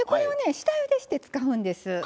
下ゆでして使うんです。